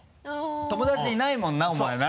友達いないもんなお前な。